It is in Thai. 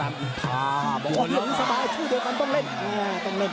บอกว่าเหมือนสบายชู้เกี่ยวกันต้องเล่น